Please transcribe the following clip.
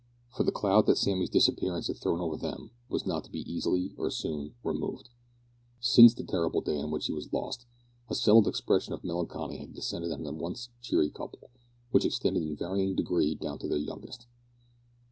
For the cloud that Sammy's disappearance had thrown over them was not to be easily or soon removed. Since the terrible day on which he was lost, a settled expression of melancholy had descended on the once cheery couple, which extended in varying degree down to their youngest.